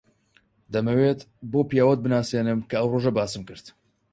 دەمەوێت بەو پیاوەت بناسێنم کە ئەو ڕۆژە باسم کرد.